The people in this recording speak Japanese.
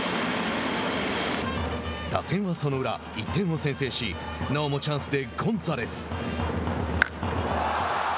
打線は、その裏１点を先制しなおもチャンスでゴンザレス。